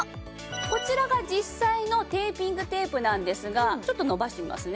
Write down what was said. こちらが実際のテーピングテープなんですがちょっと伸ばしてみますね。